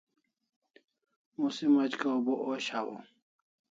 Musim aj kaw bo osh hawaw